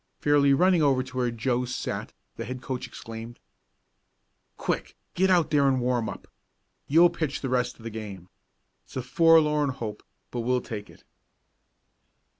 Fairly running over to where Joe sat the head coach exclaimed: "Quick get out there and warm up. You'll pitch the rest of the game. It's a forlorn hope, but we'll take it!"